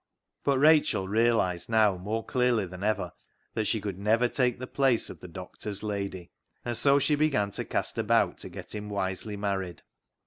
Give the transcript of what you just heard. But Rachel realised now more clearly than ever that she could never take the place of the doctor's lady, and so she began to cast about to get him wisely married.